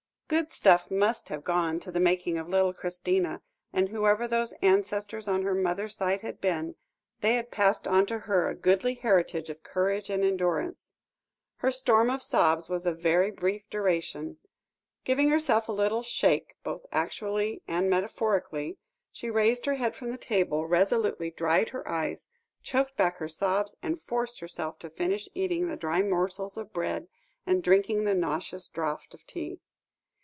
Good stuff must have gone to the making of little Christina, and whoever those ancestors on her mother's side had been, they had passed on to her a goodly heritage of courage and endurance. Her storm of sobs was of very brief duration. Giving herself a little shake both actually and metaphorically, she raised her head from the table, resolutely dried her eyes, choked back her sobs and forced herself to finish eating the dry morsels of bread, and drinking the nauseous draught of tea.